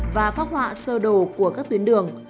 và phác họa sơ đồ của các tuyến đường